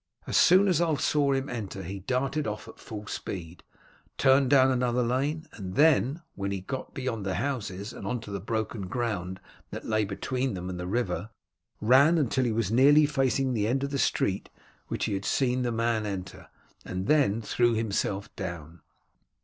As soon as Ulf saw him enter it he darted off at full speed, turned down another lane, and then, when he got beyond the houses, and on to the broken ground that lay between them and the river, ran until he was nearly facing the end of the street which he had seen the man enter, and then threw himself down.